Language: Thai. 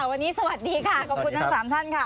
วันนี้สวัสดีค่ะขอบคุณทั้ง๓ท่านค่ะ